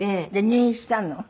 入院したの？